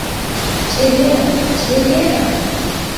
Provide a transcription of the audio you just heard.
Чеверын, чеверын!